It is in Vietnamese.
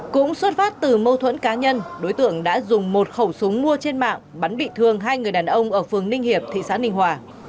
cũng xuất phát từ mâu thuẫn cá nhân đối tượng đã dùng một khẩu súng mua trên mạng bắn bị thương hai người đàn ông ở phường ninh hiệp thị xã ninh hòa